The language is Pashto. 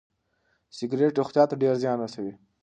سګریټ روغتیا ته ډېر زیان رسوي.